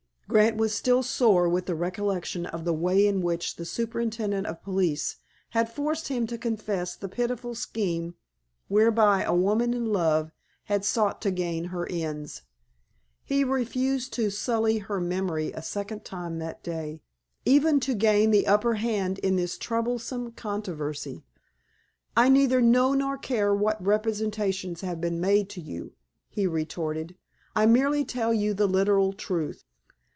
Grant was still sore with the recollection of the way in which the superintendent of police had forced him to confess the pitiful scheme whereby a woman in love had sought to gain her ends. He refused to sully her memory a second time that day, even to gain the upper hand in this troublesome controversy. "I neither know nor care what representations may have been made to you," he retorted. "I merely tell you the literal truth."